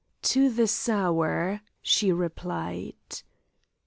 "To the sower," she replied.